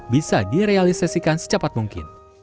bisa direalisasikan secepat mungkin